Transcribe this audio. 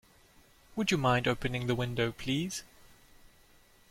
Would you mind opening the window, please?